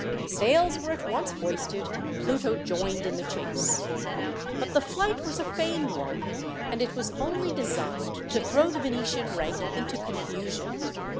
Sails were at once hoisted, and the Pluto joined in the chase. But the flight was a feigned one, and it was only designed to throw the Venetian rank into confusion.